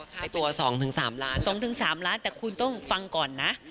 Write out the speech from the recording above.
ค่าตัว๒๓ล้าน๒๓ล้านแต่คุณต้องฟังก่อนนะ